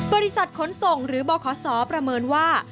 บริษัทขนส่งหรือบขศประเมินว่า